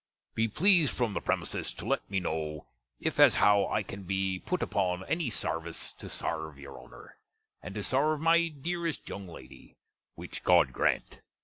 Be plesed from the prems's to let me kno' if as how I can be put upon any sarvice to sarve your Honner, and to sarve my deerest younge lady; which God grant!